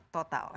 sebelas total ya